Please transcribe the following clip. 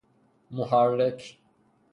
محرک